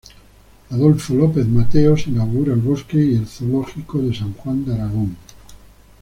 Adolfo López Mateos inaugura el Bosque y el Zoológico de San Juan de Aragón.